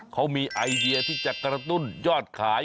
เขามีไอเดียที่จะกระตุ้นยอดขาย